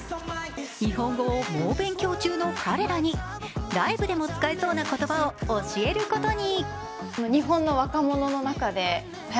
日本語を猛勉強中の彼らにライブでも使えそうな言葉を教えることに。